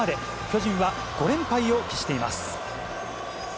巨人は５連敗を喫しています。